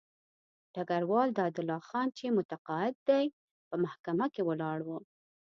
ډګروال دادالله خان چې متقاعد دی په محکمه کې ولاړ وو.